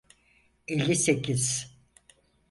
Elli sekiz